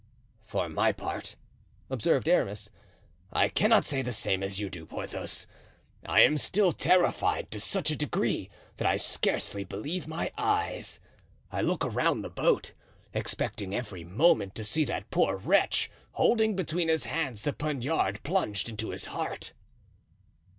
"For my part," observed Aramis, "I cannot say the same as you do, Porthos. I am still terrified to such a degree that I scarcely believe my eyes. I look around the boat, expecting every moment to see that poor wretch holding between his hands the poniard plunged into his heart."